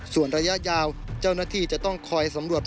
ส่วนระยะยาวเจ้าหน้าที่จะต้องคอยสำรวจ